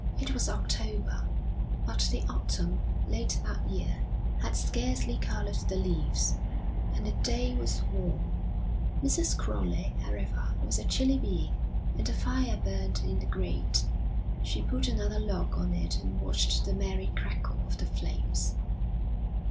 It was October, but the autumn, late that year, had scarcely coloured the leaves, and the day was warm. Mrs. Crowley, however, was a chilly being, and a fire burned in the grate. She put another log on it and watched the merry crackle of the flames.